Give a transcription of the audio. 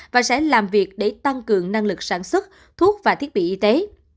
và sẽ làm việc để tăng cường năng lực sản xuất thuốc và thiết bị y tế